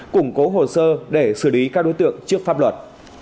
củng cố hồ sơ để xử lý các đối tượng trước pháp luật